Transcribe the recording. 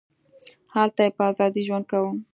هلته یې په ازادۍ ژوند کاوه.